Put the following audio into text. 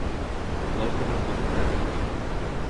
Vol que ho incorporem?